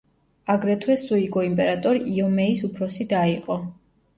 აგრეთვე სუიკო იმპერატორ იომეის უფროსი და იყო.